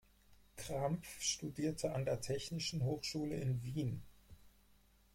Krampf studierte an der Technischen Hochschule in Wien.